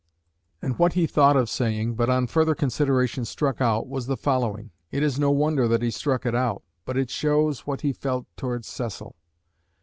And what he thought of saying, but on further consideration struck out, was the following. It is no wonder that he struck it out, but it shows what he felt towards Cecil.